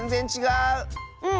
うん。